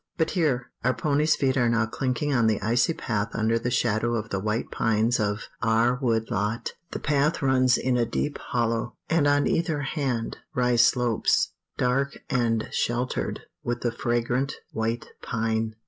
But here! our pony's feet are now clinking on the icy path under the shadow of the white pines of "our wood lot." The path runs in a deep hollow, and on either hand rise slopes dark and sheltered with the fragrant white pine.